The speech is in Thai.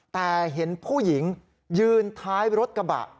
แต่เห็นผู้หญิงยืนท้ายรถกระบะ